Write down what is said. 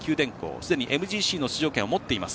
すでにＭＧＣの出場権を持っています。